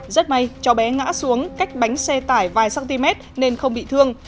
rất may cháu bé ngã xuống cách bánh xe tải vài cm nên không bị thương